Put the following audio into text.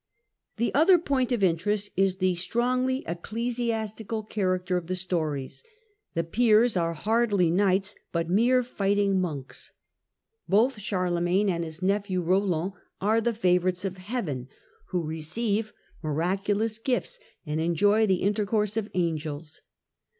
The other point of interest is the strongly ecclesiastical character of the stories. " The peers are hardly knights, but mere fighting monks. Both Charlemagne and his nephew Roland are the favourites of heaven, who receive miraculous gifts and enjoy the intercourse of angels.